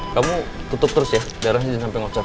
kamu tutup terus ya darahnya sampai ngocor